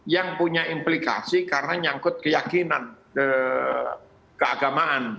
yang punya implikasi karena nyangkut keyakinan keagamaan